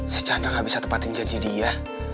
si cah gak bisa tepatin janji dia